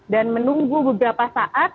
dan menunggu beberapa saat